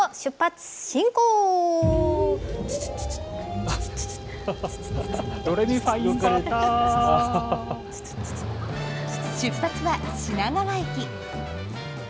出発は品川駅。